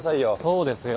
そうですよ。